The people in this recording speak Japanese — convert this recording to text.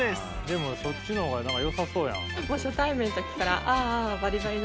でもそっちの方がよさそうやん。